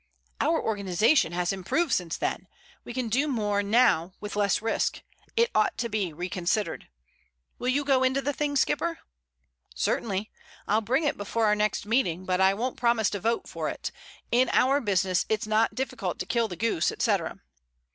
"Our organization has improved since then. We can do more now with less risk. It ought to be reconsidered. Will you go into the thing, skipper?" "Certainly. I'll bring it before our next meeting. But I won't promise to vote for it. In our business it's not difficult to kill the goose, etcetera."